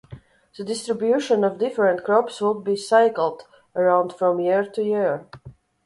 The distribution of different crops would be 'cycled' around from year to year.